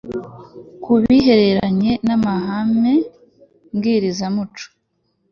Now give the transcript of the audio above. ku bihereranye n amahame mbwirizamuco